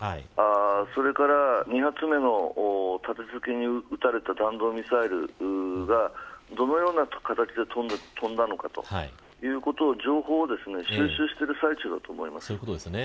それから、２発目の立て続けに撃たれた弾道ミサイルがどのような形で飛んだのかそういった情報を集めている最中だと思います。